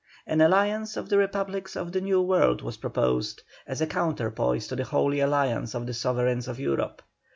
An alliance of the republics of the New World was proposed, as a counterpoise to the Holy Alliance of the sovereigns of Europe.